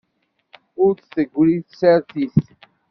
Ur d-tegri tsertit.